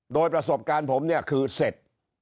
โดยประสบการณ์ผมเนี่ยคือเสร็จ